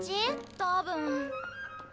多分。